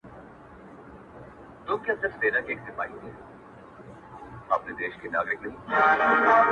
عُمر د ژمي په مثال تېریږي